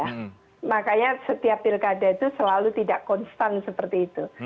nah makanya setiap pilkada itu selalu tidak konstan seperti itu